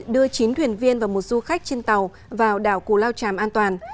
đưa chín thuyền viên và một du khách trên tàu vào đảo cù lao tràm an toàn